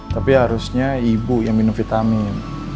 tapi harusnya ibu yang minum vitamin